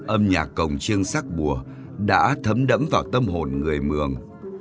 âm nhạc cổng chiêng sắc bùa đã thấm đẫm vào tâm hồn người mường